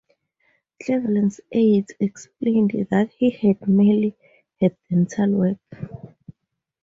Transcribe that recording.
Cleveland's aides explained that he had merely had dental work.